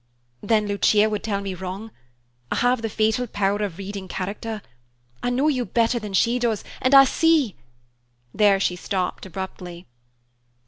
"Then Lucia would tell me wrong. I have the fatal power of reading character; I know you better than she does, and I see " There she stopped abruptly.